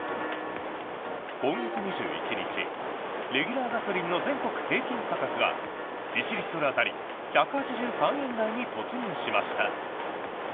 今月２１日レギュラーガソリンの全国平均価格が１リットル当たり１８３円台に突入しました。